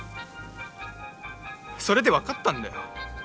それでわかったんだよ。